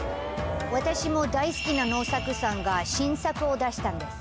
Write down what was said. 私も大好きな能作さんが新作を出したんです。